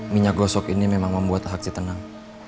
minyak gosok ini memang membuat haksi tenang